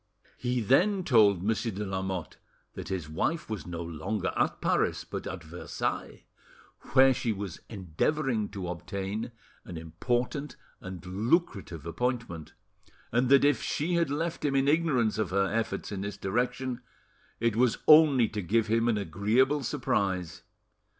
He then told Monsieur de Lamotte that his wife was no longer at Paris, but at Versailles, where she was endeavouring to obtain an important and lucrative appointment, and that, if she had left him in ignorance of her efforts in this direction; it was only to give him an agreeable surprise.